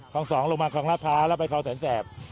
สองลงมาคลองราชพร้าวแล้วไปคลองแสนแสบ